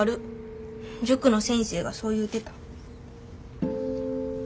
塾の先生がそう言うてた。